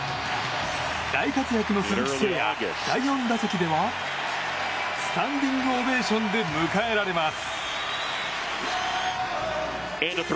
大活躍の鈴木誠也第４打席ではスタンディングオベーションで迎えられます。